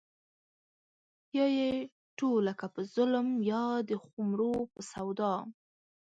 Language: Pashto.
يا يې ټوله کا په ظلم يا د خُمرو په سودا